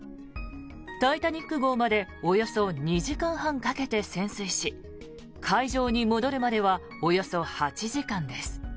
「タイタニック号」までおよそ２時間半かけて潜水し海上に戻るまではおよそ８時間です。